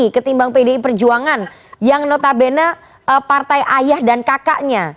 ketimbang pdi perjuangan yang notabene partai ayah dan kakaknya